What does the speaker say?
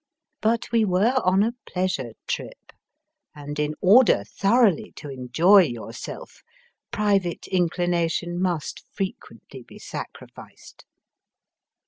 But we were on a pleasure trip, and in order thoroughly to enjoy yourself private inclination must fre quently be sacrificed.